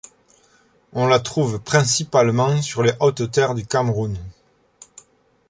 On la trouve principalement sur les hautes terres du Cameroun.